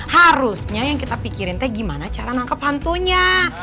harusnya yang kita pikirin teh gimana cara menangkap hantunya